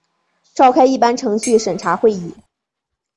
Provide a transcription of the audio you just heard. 召开一般程序审查会议